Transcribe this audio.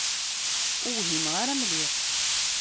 Ur whimeɣ ara mliḥ.